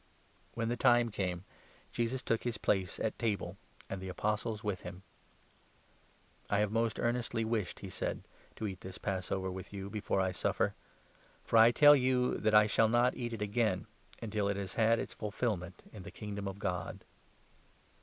When the time came, Jesus took his place at table, and the 14 Apostles with him. " I have most earnestly wished," he said, " to eat this Pass 15 over with you before I suffer. For I tell you that I shall not 16 eat it again, until it has had its fulfilment in the Kingdom of God."